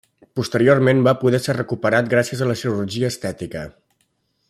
Posteriorment va poder ser recuperat gràcies a la cirurgia estètica.